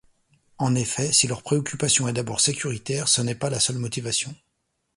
En effet, si leur préoccupation est d'abord sécuritaire, ce n'est pas la seule motivation.